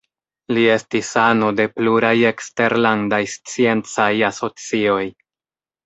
Li estis ano de pluraj eksterlandaj sciencaj asocioj.